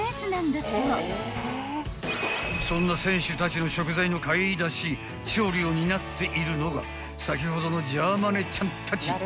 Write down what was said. ［そんな選手たちの食材の買い出し調理を担っているのが先ほどのジャーマネちゃんたち］